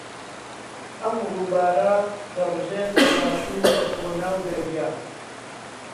ئەم ڕووبارە دەڕژێتە باشوور بۆ ناو دەریا.